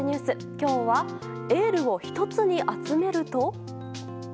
今日はエールをひとつに集めると。